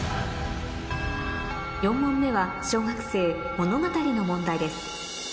４問目は小学生物語の問題です